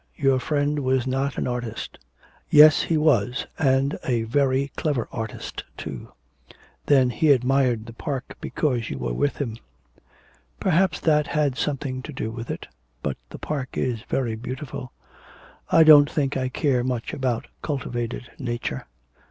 Your friend was not an artist.' 'Yes, he was, and a very clever artist too.' 'Then he admired the park because you were with him.' 'Perhaps that had something to do with it. But the park is very beautiful.' 'I don't think I care much about cultivated nature.'